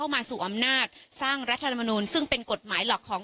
หาธิบายและอำนาจที่มีความทรงจแห่ง